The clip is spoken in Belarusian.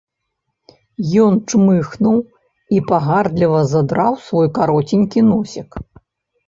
Ён чмыхнуў і пагардліва задраў свой кароценькі носік.